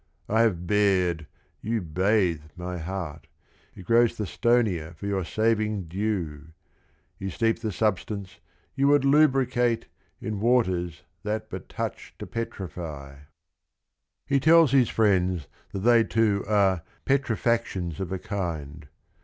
I have bared, you bathe my heart — It grows the stonier for your saving dew I You steep the substance, you would lubricate, In waters that but touch to petrify I " GUIDO 189 He tells his friends that they too are "petri factions of a kind."